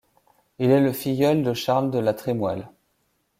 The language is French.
Il est le filleul de Charles de La Trémoille.